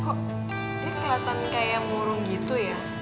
kok dia kelihatan kayak ngurung gitu ya